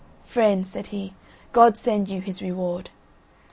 "Friend," said he, "God send you His reward."